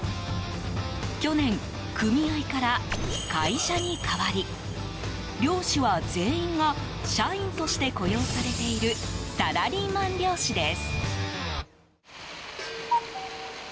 去年、組合から会社に変わり漁師は全員が社員として雇用されているサラリーマン漁師です。